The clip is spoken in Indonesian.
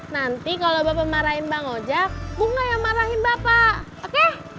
nanti kalau bapak marahin bang ojek bunga yang marahin bapak oke